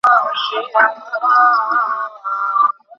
এই Miss universe.